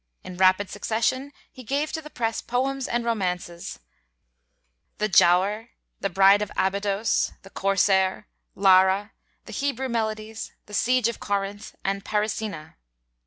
In rapid succession he gave to the press poems and romances, 'The Giaour,' 'The Bride of Abydos,' 'The Corsair,' 'Lara,' the 'Hebrew Melodies,' 'The Siege of Corinth,' and 'Parisina.'